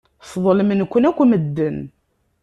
Sḍelmen-ken akk medden.